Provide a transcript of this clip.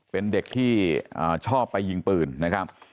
เป็นเด็กที่ชอบไปยิงปืนนะครับ